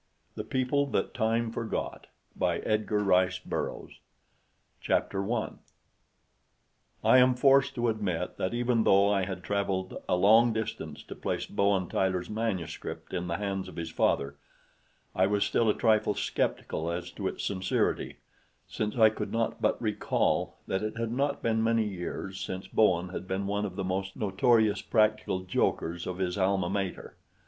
The People That Time Forgot By Edgar Rice Burroughs Chapter 1 I am forced to admit that even though I had traveled a long distance to place Bowen Tyler's manuscript in the hands of his father, I was still a trifle skeptical as to its sincerity, since I could not but recall that it had not been many years since Bowen had been one of the most notorious practical jokers of his alma mater.